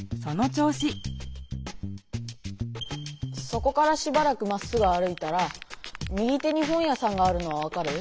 そこからしばらくまっすぐ歩いたら右手に本屋さんがあるのは分かる？